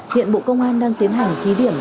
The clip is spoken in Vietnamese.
hiện bộ công an đang tiến hành ký điểm